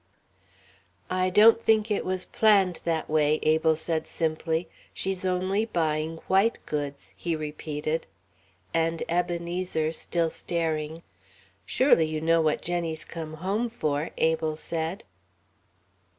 "I don't think it was planned that way," Abel said simply; "she's only buying white goods," he repeated. And, Ebenezer still staring, "Surely you know what Jenny's come home for?" Abel said.